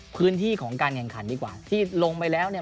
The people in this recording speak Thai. พื้นที่ของการแข่งขันดีกว่าที่ลงไปแล้วเนี่ย